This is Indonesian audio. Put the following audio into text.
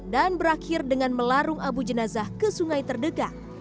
dan berakhir dengan melarung abu jenazah ke sungai terdegang